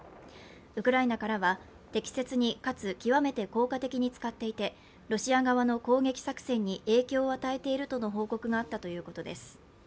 ウクライナからは適切にかつ極めて効果的に使っていてロシア側の攻撃作戦に影響を与えていると報告があったということです。